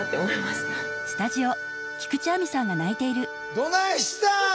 どないしたん？